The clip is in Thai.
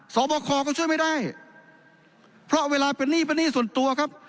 สอบคอก็ช่วยไม่ได้เพราะเวลาเป็นหนี้เป็นหนี้ส่วนตัวครับ